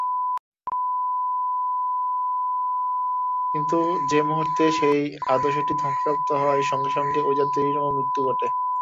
কিন্তু যে মুহূর্তে সেই আদর্শটি ধ্বংসপ্রাপ্ত হয়, সঙ্গে সঙ্গে ঐ জাতিরও মৃত্যু ঘটে।